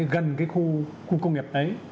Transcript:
gần cái khu công nghiệp đấy